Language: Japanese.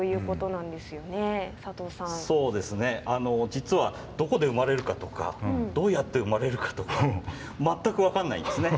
実はどこで生まれるかとかどうやって生まれるかとか全く分かんないんですね。